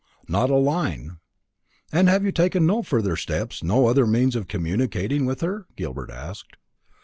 "Not a line." "And have you taken no further steps, no other means of communicating with her?" Gilbert asked.